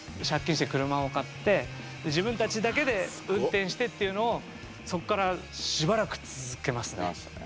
借金して車を買って自分たちだけで運転してっていうのをそっからしばらく続けますね。